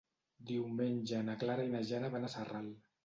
Diumenge na Clara i na Jana van a Sarral.